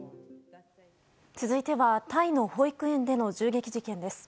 続いてはタイの保育園での銃撃事件です。